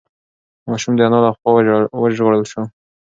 ماشوم د انا له خوا وژغورل شو.